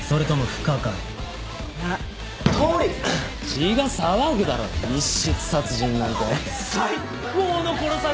血が騒ぐだろ密室殺人なんて最高の殺され方！